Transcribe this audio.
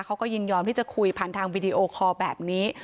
เขาก็ยินยอมที่จะคุยผ่านทางวิดีโอคอลแบบนี้